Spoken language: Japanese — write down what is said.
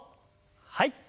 はい。